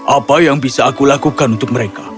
apa yang bisa aku lakukan untuk mereka